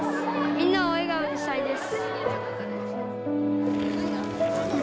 みんなを笑顔にしたいです。